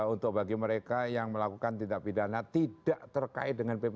untuk bagi mereka yang melakukan tindak pidana tidak terkait dengan pp sembilan puluh sembilan